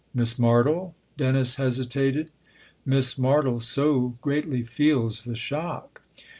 " Miss Martle ?" Dennis hesitated. "Miss Martle so greatly feels the shock